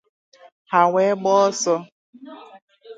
ha wee gbaa ọsọ